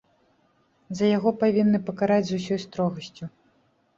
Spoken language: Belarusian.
За яго павінны пакараць з усёй строгасцю.